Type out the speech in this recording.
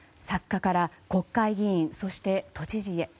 作家から国会議員そして都知事へ。